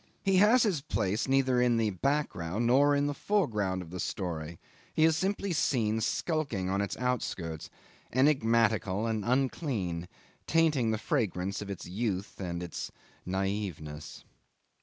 He has his place neither in the background nor in the foreground of the story; he is simply seen skulking on its outskirts, enigmatical and unclean, tainting the fragrance of its youth and of its naiveness.